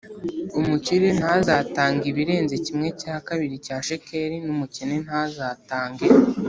Umukire ntazatange ibirenze kimwe cya kabiri cya shekeli n umukene ntazatange